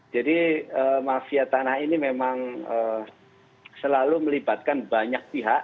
jadi mafia tanah ini memang selalu melibatkan banyak pihak